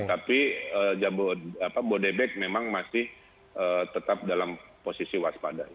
tapi bodebek memang masih tetap dalam posisi waspada